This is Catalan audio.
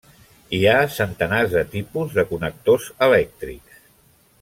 Hi ha centenars de tipus de connectors elèctrics.